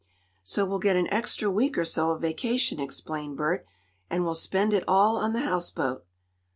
"So we'll get an extra week or so of vacation," explained Bert. "And we'll spend it all on the houseboat."